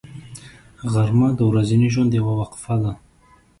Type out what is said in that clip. غرمه د ورځني ژوند یوه وقفه ده